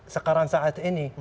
sekarang saat ini